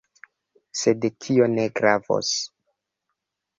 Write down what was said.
Sed tio ne gravos.